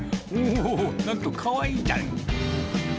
おー、なんと、かわいいじゃん。